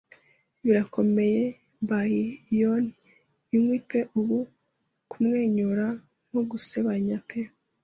'Birakomeye by yon inkwi pe ubu kumwenyura nko gusebanya pe